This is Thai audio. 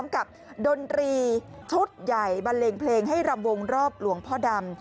กับดนตรีชุดใหญ่บันเลงเพลงให้รำวงรอบหลวงพ่อดำ